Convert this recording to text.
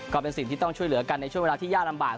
ก็เป็นสิ่งที่ต้องช่วยเหลือกันในช่วงเวลาที่ยากลำบาก